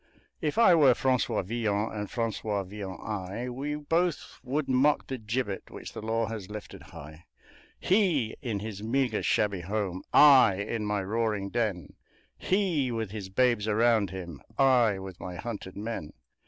If I were Francois Villon and Francois Villon I, We both would mock the gibbet which the law has lifted high; HE in his meagre, shabby home, I in my roaring den HE with his babes around him, I with my hunted men!